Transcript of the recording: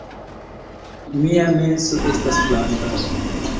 Mia menso estas blanka